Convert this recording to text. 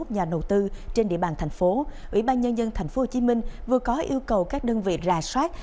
hai mươi một nhà đầu tư trên địa bàn thành phố ủy ban nhân dân tp hcm vừa có yêu cầu các đơn vị ra soát